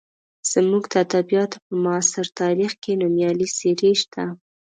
زموږ د ادبیاتو په معاصر تاریخ کې نومیالۍ څېرې شته.